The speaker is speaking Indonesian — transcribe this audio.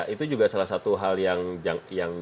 itu juga salah satu hal yang